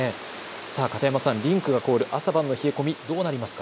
片山さん、リンクが凍る朝晩の冷え込み、どうなりますか。